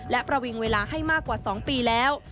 และประวิงเวลาให้มากกว่า๒ปีแล้ว